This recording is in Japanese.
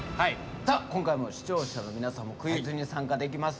さあ今回も視聴者の皆さんもクイズに参加できます。